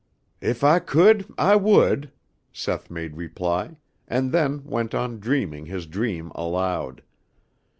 "If I could, I would," Seth made reply, and then went on dreaming his dream aloud.